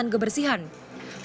dan juga dikosongi dengan kebersihan